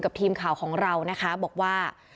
ทีมข่าวของเรานะคะบอกว่า